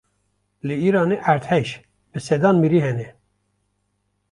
Li îranê erdhej: bi sedan mirî hene